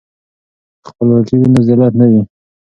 که خپلواکي وي نو ذلت نه وي.